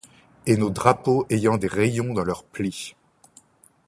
Et nos drapeaux ayant des rayons dans leurs plis.